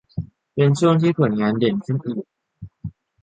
เป็นช่วงที่ผลงานเด่นขึ้นอีก